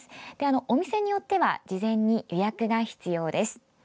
お店によっては事前に予約が必要です。